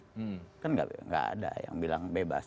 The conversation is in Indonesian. kan nggak ada yang bilang bebas